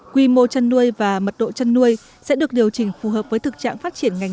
quy mô chăn nuôi và mật độ chăn nuôi sẽ được điều chỉnh phù hợp với thực trạng phát triển ngành